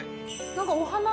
何かお花。